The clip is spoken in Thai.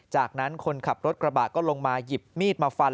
จากนั้นคนขับรถกระบะก็ลงมาหยิบมีดมาฟัน